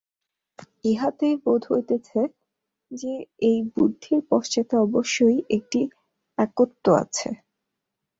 ইহাতেই বোধ হইতেছে যে, এই বুদ্ধির পশ্চাতে অবশ্যই একটি একত্ব আছে।